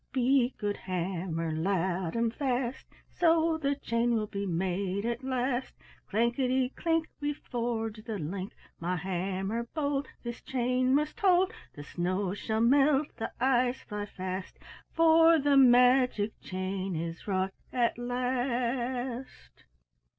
Beat, good hammer, loud and fast; So the chain will be made at last. "Clankety clink! We forge the link. My hammer bold, This chain must hold. The snow shall melt, the ice fly fast, For the magic chain is wrought at last."